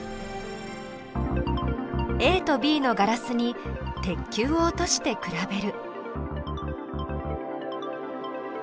ＡとＢのガラスに鉄球を落として比べる。